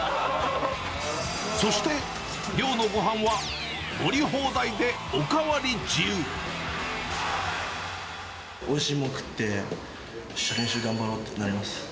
そして、寮のごはんは、おいしいもの食って、よっしゃ練習頑張ろうってなります。